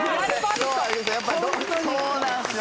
そうなんですよ。